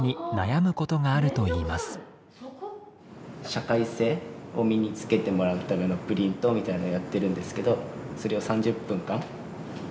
社会性を身につけてもらうためのプリントみたいなのをやっているんですけどそれを３０分間やっているんですけど